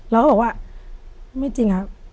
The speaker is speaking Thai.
แล้วก็บอกว่าไม่จริงอะ